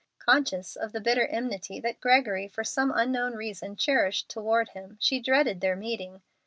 Conscious of the bitter enmity that Gregory for some unknown reason cherished toward him, she dreaded their meeting.